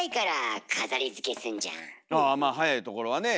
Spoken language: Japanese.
ああまあ早いところはねえ。